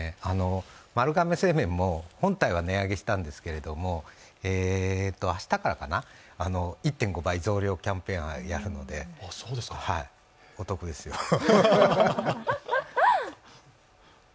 丸亀製麺も本体は値上げしたんですけど、明日からかな、１．５倍増量キャンペーンをやるので、お得ですよ。